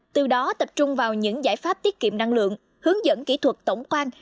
từ đó tập trung vào những giải pháp tiết kiệm năng lượng hướng dẫn kỹ thuật tổng quan